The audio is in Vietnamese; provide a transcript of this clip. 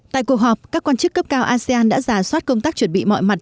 tại cuộc họp các quan chức cấp cao asean đã giả soát công tác chuẩn bị mọi mặt